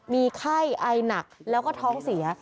มีไข้ไอหนักแล้วก็ท้องเสีย